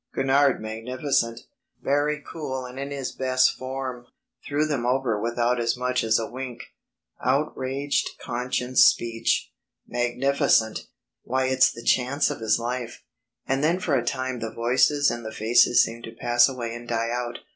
Gurnard magnificent. Very cool and in his best form. Threw them over without as much as a wink. Outraged conscience speech. Magnificent. Why it's the chance of his life." ... And then for a time the voices and the faces seemed to pass away and die out.